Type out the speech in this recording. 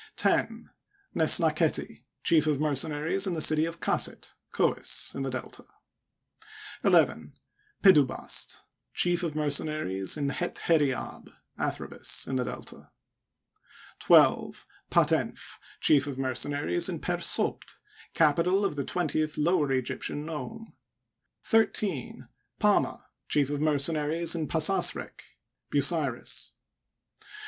10. Nesnaketiy Chief of Mercenaries in the city of Kaset (Chois), in the Delta. \\, Pedubast, Chief of Mercenaries in Het hert ab (Athribis), in the Delta. 12. Patenf, Chief of Mercenaries in Per Sopd, capital of the twentieth Lower Egyptian nome. 13. PamUy Chief of Mercenaries in Pas as rek (?) (Bu siris), 14.